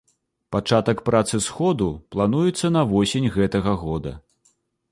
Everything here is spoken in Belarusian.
Пачатак працы сходу плануецца на восень гэтага года.